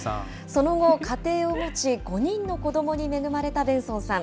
その後、家庭を持ち、５人の子どもに恵まれたベンソンさん。